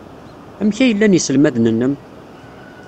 Amek ay llan yiselmaden-nnem?